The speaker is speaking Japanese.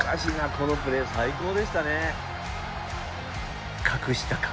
このプレー最高でしたね。